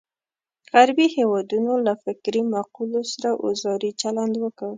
غربي هېوادونو له فکري مقولو سره اوزاري چلند وکړ.